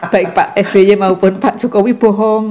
baik pak sby maupun pak jokowi bohong